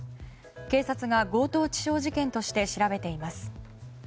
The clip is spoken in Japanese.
警察が強盗致傷事件として調べています。